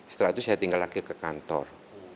setelah itu saya tinggal lagi ke kantor